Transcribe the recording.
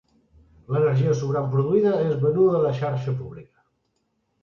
L'energia sobrant produïda és venuda a la xarxa pública.